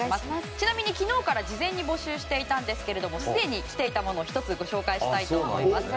ちなみに昨日から事前に募集していましたがすでに来ていたものをご紹介したいと思います。